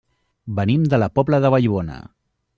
Venim de la Pobla de Vallbona.